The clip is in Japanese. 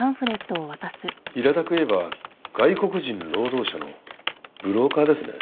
平たく言えば外国人労働者のブローカーですね？